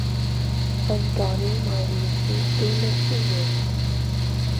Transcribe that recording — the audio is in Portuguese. Antônio Mauricio do Nascimento